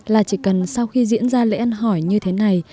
là chỉ cần sau khi diễn ra lễ ăn hỏi như thế này